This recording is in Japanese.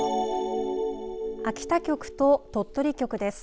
秋田局と鳥取局です。